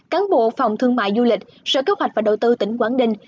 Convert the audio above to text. cán bộ phòng thương mại du lịch sở kế hoạch và đầu tư tỉnh quảng ninh